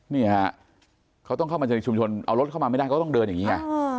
นี่ฮะเขาต้องเข้ามาในชุมชนเอารถเข้ามาไม่ได้เขาต้องเดินอย่างนี้ไง